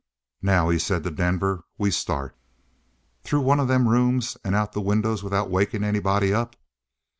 "Now," he said to Denver, "we start." "Through one of them rooms and out the windows without waking anybody up?"